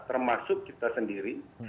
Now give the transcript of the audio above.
termasuk kita sendiri